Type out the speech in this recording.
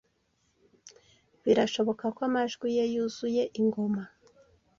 birashoboka amajwi ye yuzuye ingoma